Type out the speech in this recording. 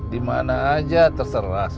dimana aja terserah